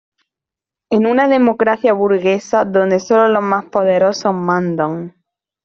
Es una democracia burguesa donde sólo los más poderosos mandan.